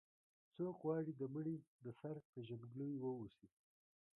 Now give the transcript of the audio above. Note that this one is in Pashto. څوک غواړي د مړي د سر پېژندګلوي واوسي.